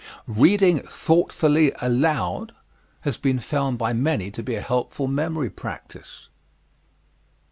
Reading thoughtfully aloud has been found by many to be a helpful memory practise.